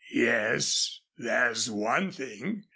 "Yes, there's one thing.